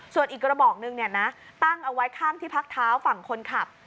ส่วนอีกกระบอกนึงตั้งเอาไว้ข้างที่พักเท้าฝั่งคนขับ